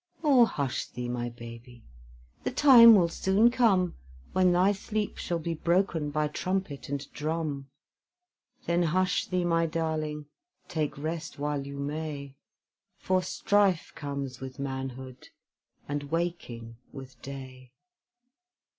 Oh, hush thee, my babie, the time will soon come, When thy sleep shall be broken by trumpet and drum; Then hush thee, my darling, take rest while you may, For strife comes with manhood, and waking with day.